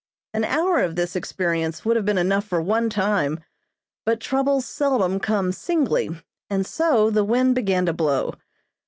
An hour of this experience would have been enough for one time, but troubles seldom come singly, and so the wind began to blow.